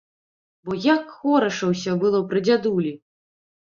Бо як хораша ўсё было пры дзядулі!